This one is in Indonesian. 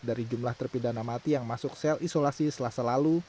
dari jumlah terpidana mati yang masuk sel isolasi selasa lalu